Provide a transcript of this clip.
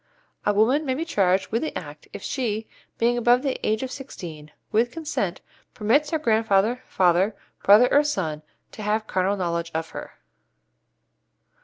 A woman may be charged under the Act if she, being above the age of sixteen, with consent permits her grandfather, father, brother, or son, to have carnal knowledge of her.